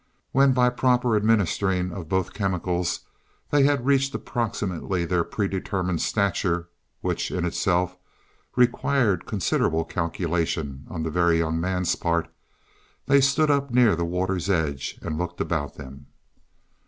When, by proper administering of both chemicals, they had reached approximately their predetermined stature, which, in itself, required considerable calculation on the Very Young Man's part, they stood up near the water's edge and looked about them.